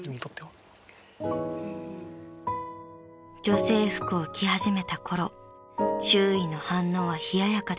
［女性服を着始めた頃周囲の反応は冷ややかでした］